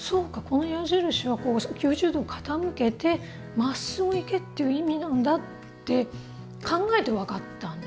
この矢印は９０度傾けてまっすぐ行けっていう意味なんだ」って考えて分かったんですよ。